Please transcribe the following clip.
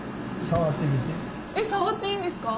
触っていいんですか？